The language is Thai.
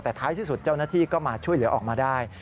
แต่ท้ายที่สุดเจ้าหน้าที่ก็มาช่วยเหลือออกมาได้